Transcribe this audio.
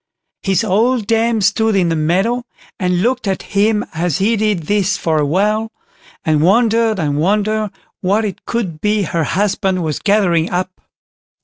His old dame stood in the meadow and looked at him as he did this for a while, and wondered and wondered what it could be her husband was gathering up.